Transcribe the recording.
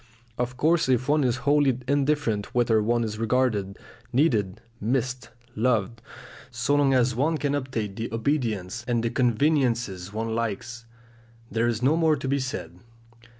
Of course if one is wholly indifferent whether one is regarded, needed, missed, loved, so long as one can obtain the obedience and the conveniences one likes, there is no more to be said.